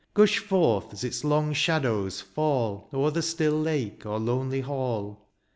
Gush forth as its long shadows fall O'er the still lake or lonely hall.